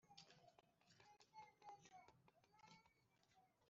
noneho ceceka! njya mu cyumba cye